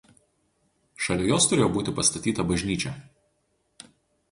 Šalia jos turėjo būti pastatyta bažnyčia.